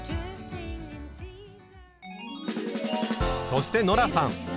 そしてノラさん。